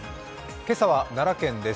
今朝は奈良県です。